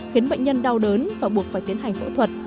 khiến bệnh nhân đau đớn và buộc phải tiến hành phẫu thuật